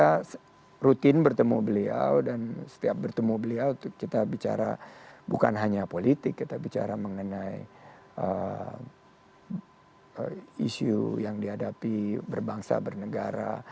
kita rutin bertemu beliau dan setiap bertemu beliau kita bicara bukan hanya politik kita bicara mengenai isu yang dihadapi berbangsa bernegara